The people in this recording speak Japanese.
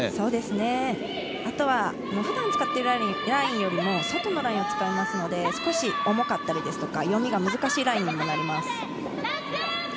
ふだん使ってるラインより外のラインを使いますので少し、重かったりですとか読みが難しいラインにもなります。